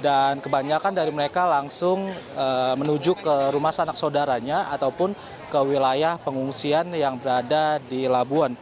dan kebanyakan dari mereka langsung menuju ke rumah sanak saudaranya ataupun ke wilayah pengungsian yang berada di labuan